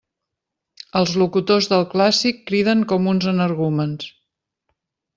Els locutors del clàssic criden com uns energúmens.